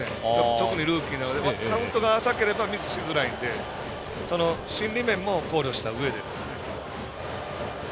特にルーキーなのでカウントが浅ければミスをしづらいので心理面も考慮したうえでです。